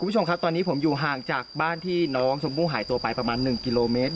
คุณผู้ชมครับตอนนี้ผมอยู่ห่างจากบ้านที่น้องชมพู่หายตัวไปประมาณ๑กิโลเมตร